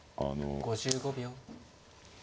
５５秒。